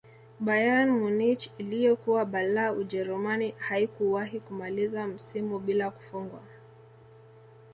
bayern munich iliyokuwa balaa ujerumani haikuwahi kumaliza msimu bila kufungwa